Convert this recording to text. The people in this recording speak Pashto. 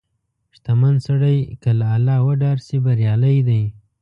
• شتمن سړی که له الله وډار شي، بریالی دی.